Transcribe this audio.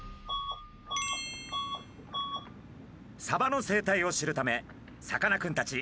サバの生態を知るためさかなクンたち